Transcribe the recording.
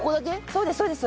そうですそうです。